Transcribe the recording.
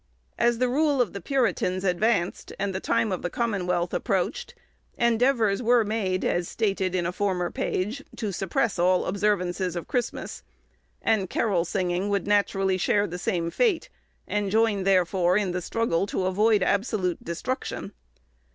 As the rule of the puritans advanced, and the time of the Commonwealth approached, endeavours were made, as stated in a former page, to suppress all observances of Christmas; and carol singing would naturally share the same fate, and join therefore in the struggle to avoid absolute destruction.